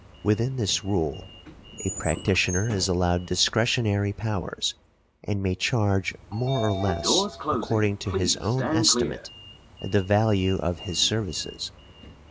Within this rule a practitioner is allowed discretionary powers and may charge more or less according to his own estimate of the value of his services.